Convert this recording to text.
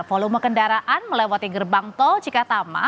volume kendaraan melewati gerbang tol cikatama